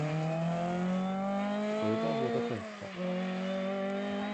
Schröder wurde Fünfter.